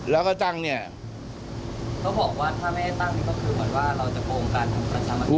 แล้วก็จังเนี่ยเขาบอกว่าถ้าไม่ได้ตั้งนี่ก็คือเหมือนว่าเราจะโกงการทำประชามติ